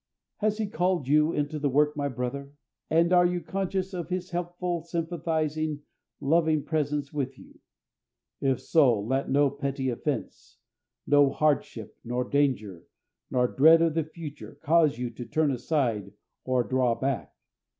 Has He called you into the work, my brother? And are you conscious of His helpful, sympathising, loving presence with you? If so, let no petty offence, no hardship, nor danger, nor dread of the future, cause you to turn aside or draw back.